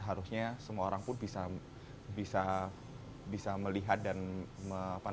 harusnya semua orang pun bisa melihat dan